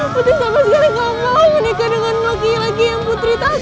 putri sama sekali gak mau menikah dengan laki laki yang putri takut